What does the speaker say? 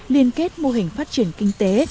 liên kết mô hình phát triển kinh tế